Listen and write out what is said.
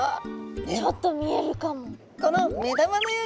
ちょっと見えるかも。